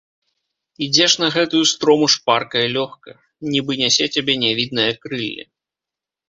Ідзеш на гэтую строму шпарка і лёгка, нібы нясе цябе нявіднае крылле.